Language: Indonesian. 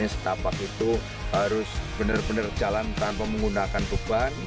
setapak itu harus benar benar jalan tanpa menggunakan tuban